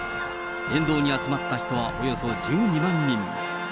沿道に集まった人はおよそ１２万人。